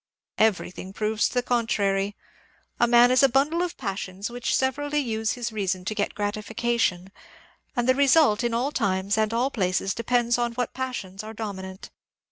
Everything proves the contrary. A man is a bundle of passions which severally use his reason to get gratification, and the result in all times and places de pends on what passions are dominant.